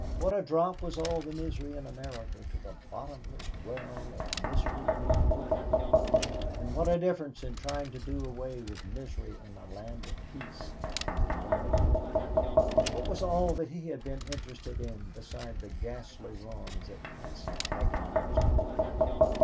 What a drop was all the misery in America to the bottomless well of misery in Europe! And what a difference in trying to do away with misery in a land of peace and in one of war! What was all that he had been interested in beside the ghastly wrongs that Patsy agonized over!